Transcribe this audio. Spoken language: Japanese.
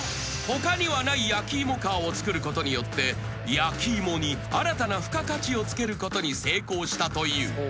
［他にはない焼き芋カーを造ることによって焼き芋に新たな付加価値をつけることに成功したという］